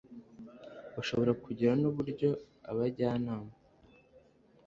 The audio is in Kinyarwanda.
bashobora kugira n uburyo abajyanama